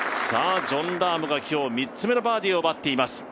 ジョン・ラームが今日３つ目のバーディーを奪っています。